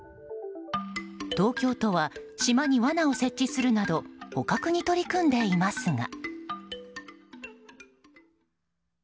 東京都は、島に罠を設置するなど捕獲に取り組んでいますが。